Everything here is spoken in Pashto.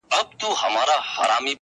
• له آسمانه هاتف ږغ کړل چي احمقه,